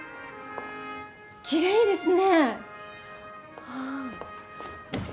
きれいですね。